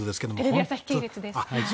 テレビ朝日系列です。